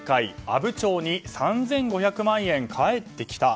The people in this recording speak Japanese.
阿武町に３５００万円返ってきた。